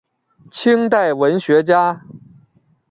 清代文学家。